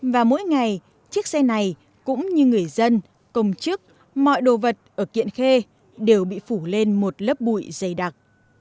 và mỗi ngày chiếc xe này cũng như người dân công chức mọi đồ vật ở kiện khe đều bị phủ lên một lớp bụi dày đặc